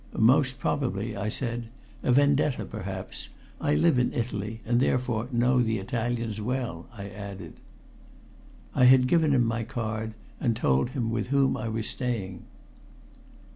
"Most probably," I said. "A vendetta, perhaps. I live in Italy, and therefore know the Italians well," I added. I had given him my card, and told him with whom I was staying.